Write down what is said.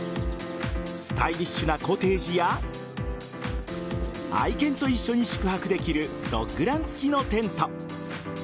スタイリッシュなコテージや愛犬と一緒に宿泊できるドッグラン付きのテント。